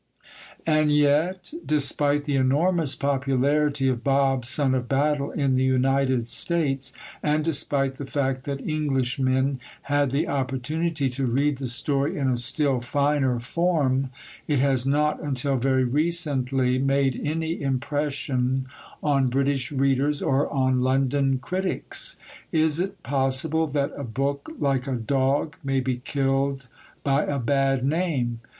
And yet, despite the enormous popularity of Bob, Son of Battle in the United States, and despite the fact that Englishmen had the opportunity to read the story in a still finer form, it has not until very recently made any impression on British readers or on London critics. Is it possible that a book, like a dog, may be killed by a bad name?